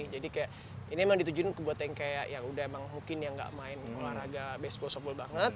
jadi kayak ini emang ditujuin buat yang kayak yang udah emang mungkin yang nggak main olahraga baseball softball banget